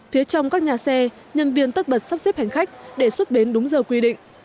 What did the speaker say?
phía trong các nhà xe nhân viên tất bật sắp xếp hành khách để xuất bến đúng giờ quy định